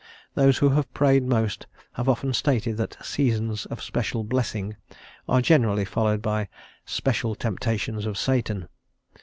Those who have prayed most have often stated that "seasons of special blessing" are generally followed by "special temptations of Satan."